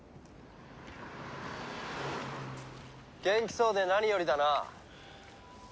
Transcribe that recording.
元気そうで何よりだな。